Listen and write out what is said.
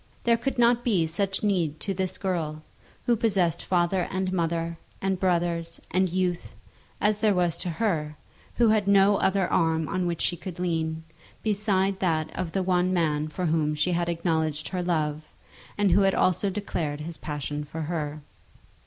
There could not be such need to this girl, who possessed father and mother, and brothers, and youth, as there was to her, who had no other arm on which she could lean, besides that of the one man for whom she had acknowledged her love, and who had also declared his passion for her.